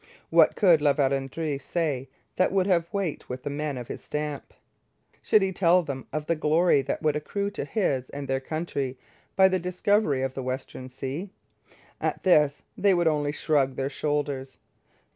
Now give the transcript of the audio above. What could La Vérendrye say that would have weight with men of this stamp? Should he tell them of the glory that would accrue to his and their country by the discovery of the Western Sea? At this they would only shrug their shoulders.